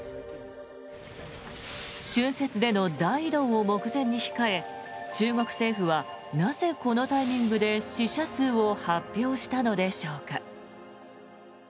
春節での大移動を目前に控え中国政府はなぜ、このタイミングで死者数を発表したのでしょうか。